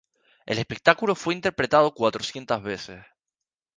El espectáculo fue interpretado cuatrocientas veces.